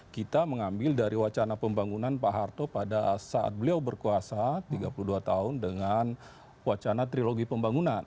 kita mengambil dari wacana pembangunan pak harto pada saat beliau berkuasa tiga puluh dua tahun dengan wacana trilogi pembangunan